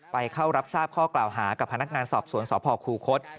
ไปเข้ารับทราบข้อกล่าวหากับพนักงานสอบสวนสพคูคศ